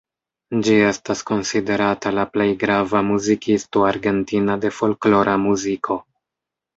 Ĝi estas konsiderata la plej grava muzikisto argentina de folklora muziko.